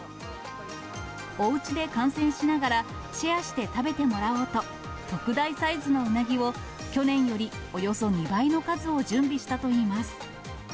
おうちで観戦しながら、シェアして食べてもらおうと、特大サイズのうなぎを、去年よりおよそ２倍の数を準備したといいます。